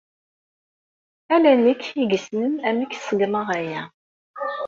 Ala nekk i yessnen amek ṣeggmeɣ aya.